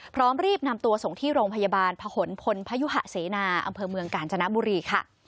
พร้อมรีบนำตัวส่งที่โรงพยาบาลพหนพลพยุหะเสนาอำเภอเมืองกาญจนบุรีค่ะ